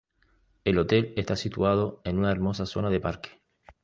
El hotel está situado en una hermosa zona de parque.